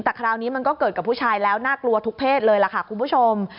แต่คราวนี้มันก็เกิดกับผู้ชายแล้วน่ากลัวทุกเพศเลยล่ะค่ะคุณผู้ชม